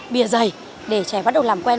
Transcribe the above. bìa dày để trẻ bắt đầu làm quen